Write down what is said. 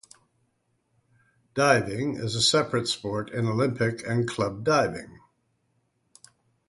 Diving is a separate sport in Olympic and Club Diving.